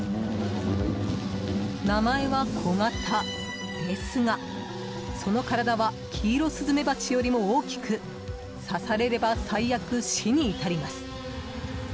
名前は、コガタですがその体はキイロスズメバチよりも大きく刺されれば最悪、死に至ります。